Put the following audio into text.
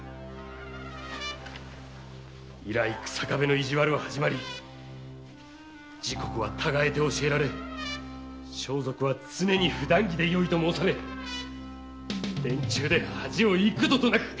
以来日下部の意地悪は始まり時刻は違えて教えられ装束は常にふだん着でよいと申され殿中で恥を幾度となくかかされたのだ！